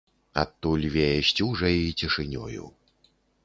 Адтуль вее сцюжай і цішынёю.